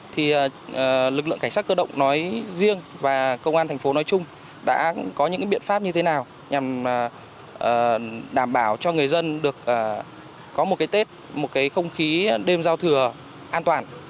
thì lực lượng cảnh sát cơ động nói riêng và công an thành phố nói chung đã có những biện pháp như thế nào nhằm đảm bảo cho người dân được có một cái tết một cái không khí đêm giao thừa an toàn